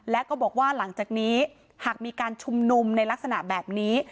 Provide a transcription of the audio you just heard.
และก็บอกว่าหลังจากนี้หากมีการชุมนุมในลักษณะแบบนี้